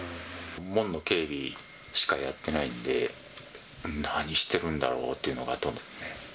門の警備しかやってないんで、何してるんだろうっていうのが、どんどんね。